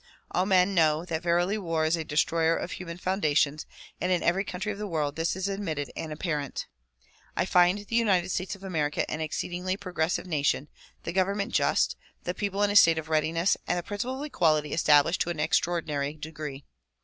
All men know that verily war is a destroyer of human foundations and in every country of the world this is admitted and apparent. I find the United States of America an exceedingly progressive nation, the government just, the people in a state of readiness and the principle of equality established to an extraordinary degree.